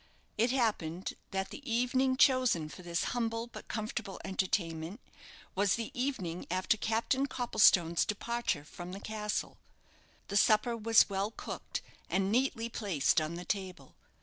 It happened that the evening chosen for this humble but comfortable entertainment was the evening after Captain Copplestone's departure from the castle. The supper was well cooked, and neatly placed on the table.